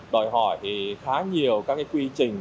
đòi hỏi thì khá nhiều các cái quy trình